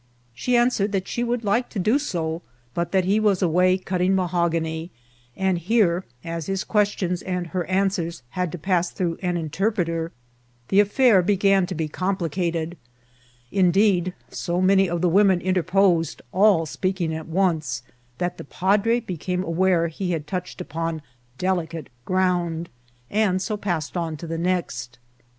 She an swiered that she would like to do so, but that he was away cutting mahogany ; and here, as his questions and her answers had to pass through an interpreter, the \ affair began to be complicated; indeed, so many of the women interposed, all speaking at once, that the padre became aware he had touched upon delicate ground, and so passed on to the next.